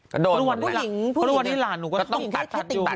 เพราะว่าวันนี้หลานหนูก็ต้องตัดติ่งหู